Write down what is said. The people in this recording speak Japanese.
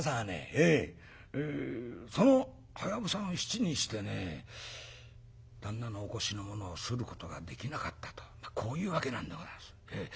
そのはやぶさの七にしてね旦那のお腰のものをすることができなかったとこういうわけなんでござんす。